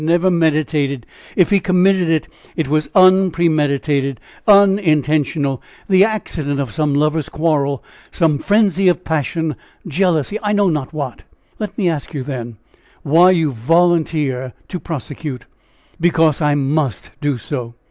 never meditated it! If he committed it, it was unpremeditated, unintentional; the accident of some lover's quarrel, some frenzy of passion, jealousy I know not what!" "Let me ask you, then, why you volunteer to prosecute?" "Because I must do so.